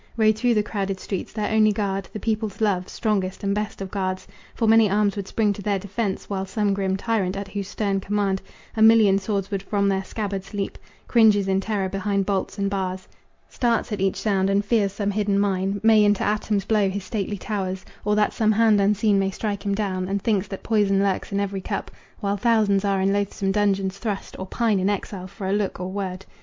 Rode through the crowded streets, their only guard The people's love, strongest and best of guards; For many arms would spring to their defense, While some grim tyrant, at whose stern command A million swords would from their scabbards leap, Cringes in terror behind bolts and bars, Starts at each sound, and fears some hidden mine May into atoms blow his stately towers, Or that some hand unseen may strike him down, And thinks that poison lurks in every cup, While thousands are in loathsome dungeons thrust Or pine in exile for a look or word.